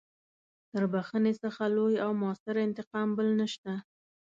تر بخښنې څخه لوی او مؤثر انتقام بل نشته.